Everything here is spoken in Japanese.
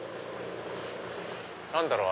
何だろう？